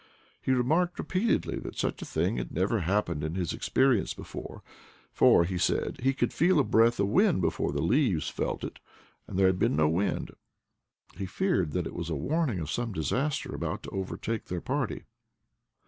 He re marked repeatedly that such a thing had never happened in his experience before, for, he said, he could feel a breath of wind before the leaves felt it, and there had been no wind; he feared that it was a warning of some disaster about to overtake their party.